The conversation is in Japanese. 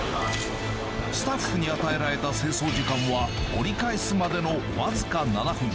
スタッフに与えられた清掃時間は、折り返すまでの僅か７分。